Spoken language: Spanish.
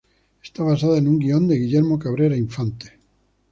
Está basada en un guion de Guillermo Cabrera Infante.